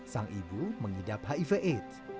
sang ibu mengidap hiv aids